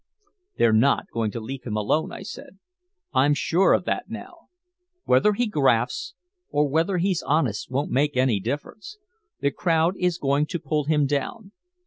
"They're not going to leave him alone," I said. "I'm sure of that now. Whether he grafts or whether he's honest won't make any difference. The crowd is going to pull him down.